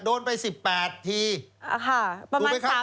โดนไปสิบแปดทีอ่าค่ะประมาณสามแสนหก